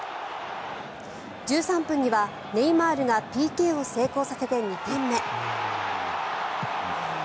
１３分にはネイマールがＰＫを成功させて２点目。